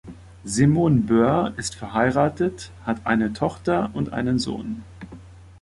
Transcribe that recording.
Simon Böer ist verheiratet, hat eine Tochter und einen Sohn.